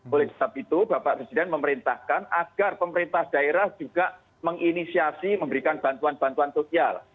oleh sebab itu bapak presiden memerintahkan agar pemerintah daerah juga menginisiasi memberikan bantuan bantuan sosial